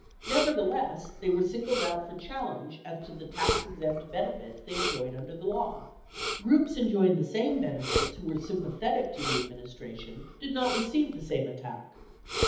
Nevertheless, they were singled out for challenge as to the tax exempt benefits they enjoyed under the law. Groups enjoying the same benefits who were sympathetic to the administration did not receive the same attack.